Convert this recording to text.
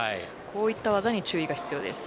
こういった技に注意が必要です。